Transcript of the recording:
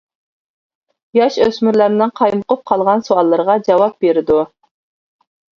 ياش ئۆسمۈرلەرنىڭ قايمۇقۇپ قالغان سوئاللىرىغا جاۋاب بېرىدۇ.